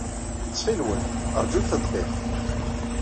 Ttxil-wen, ṛjut tadqiqt.